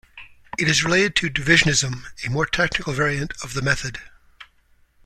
It is related to Divisionism, a more technical variant of the method.